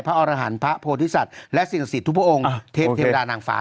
พระอรหารพระโพธิศัตริย์และศิริษฐุพวกองฆ์เทพเทพดานางฟ้า